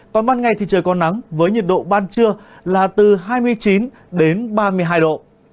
còn ban ngày thì trời có nắng với nhiệt độ ban trưa là từ hai mươi chín đến ba mươi hai độ